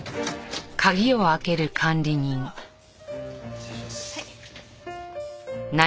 失礼します。